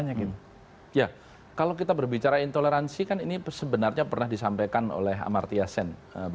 ya kalau kita berbicara intoleransi kan ini sebenarnya pernah disampaikan oleh amartia sen